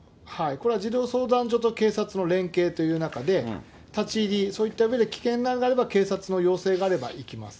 これは児童相談所と警察の連携という中で、立ち入り、そういった上で危険があれば、警察の要請があれば行きます。